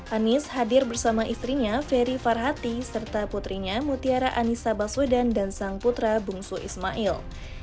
anies hadir bersama istrinya ferry farhati serta putrinya mutiara anissa baswedan dan sang putra bungsu ismail